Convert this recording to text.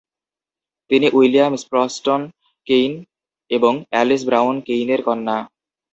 তিনি William Sproston Kane এবং Alice Brown কেইনের কন্যা।